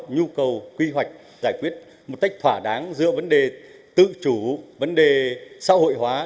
nhu cầu quy hoạch giải quyết một cách thỏa đáng giữa vấn đề tự chủ vấn đề xã hội hóa